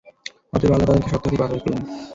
অতএব, আল্লাহ তাদেরকে শক্ত হাতে পাকড়াও করলেন।